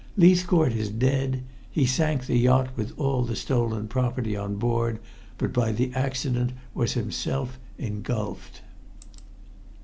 Leithcourt is dead. He sank the yacht with all the stolen property on board, but by accident was himself engulfed."